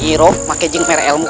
jiro pakai jengper elmu